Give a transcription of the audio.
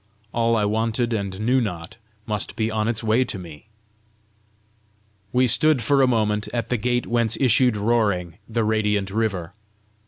All I wanted and knew not, must be on its way to me! We stood for a moment at the gate whence issued roaring the radiant river.